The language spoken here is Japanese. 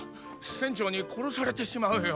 船長に殺されてしまうよ。